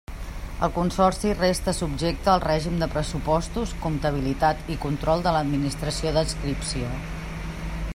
El Consorci resta subjecte al règim de pressupostos, comptabilitat i control de l'Administració d'adscripció.